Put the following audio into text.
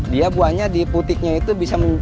dia buahnya di putiknya itu bisa